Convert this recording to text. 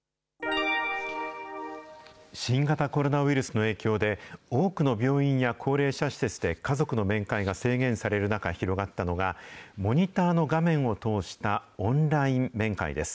新型コロナウイルスの影響で、多くの病院や高齢者施設で家族の面会が制限される中広がったのが、モニターの画面を通したオンライン面会です。